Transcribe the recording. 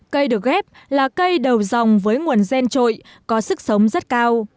cây được ghép là cây đầu dòng với nguồn gen trội có sức sống rất cao